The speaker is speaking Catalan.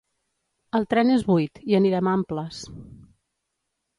El tren és buit: hi anirem amples.